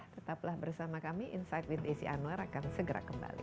tetaplah bersama kami insight with desi anwar akan segera kembali